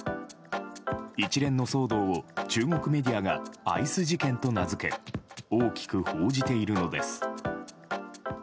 一連の騒動を中国メディアがアイス事件と名付け大きく報じているのです。